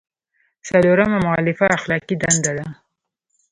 څلورمه مولفه اخلاقي دنده ده.